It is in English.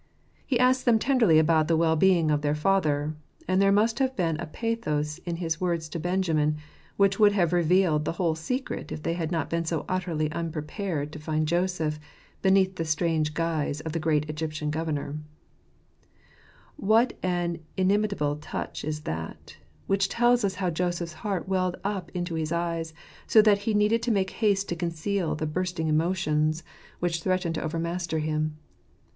He asked them tenderly about the well being of their father; and there must have been a pathos in his words to Benjamin which would have revealed the whole secret if they had not been so utterly unprepared to find Joseph beneath the strange guise of the great E What an inimitable touch is that, which tells us how Joseph's heart welled up into his eyes, so that he needed to make haste to conceal the bursting emotions, which 99 ©Ijc rt jerteir gnrifrcr. threatened to overmaster him.